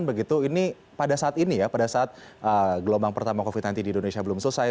begitu ini pada saat ini ya pada saat gelombang pertama covid sembilan belas di indonesia belum selesai